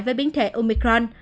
với biến thể omicron